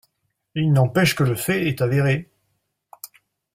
Il n’empêche que le fait est avéré.